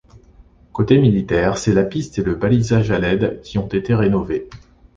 Côté militaire, c'est la piste et le balisage à led, qui ont été rénovés.